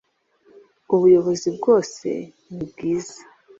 ubuyobozi bwose nibwiza.